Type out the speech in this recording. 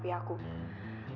papi aku tuh cuma cinta sama kamu